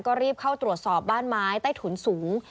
ก็รีบเข้าตรวจสอบบ้านไม้ใต้ถุนสูง